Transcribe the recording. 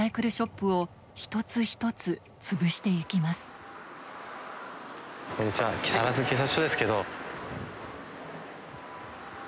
こんにちは木更津警察署ですけど。